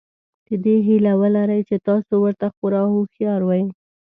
د دې هیله ولرئ چې تاسو ورته خورا هوښیار وئ.